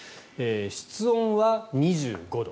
室温は２５度。